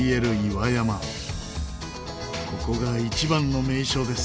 ここが一番の名所です。